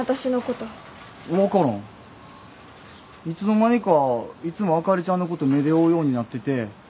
いつの間にかいつもあかりちゃんのこと目で追うようになってて。